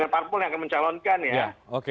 parpol yang mencalonkan ya